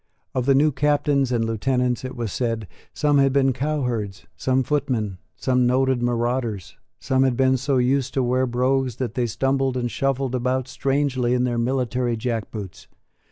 Of the new Captains and Lieutenants, it was said, some had been cow herds, some footmen, some noted marauders; some had been so used to wear brogues that they stumbled and shuffled about strangely in their military jack boots.